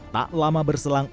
tak lama berselang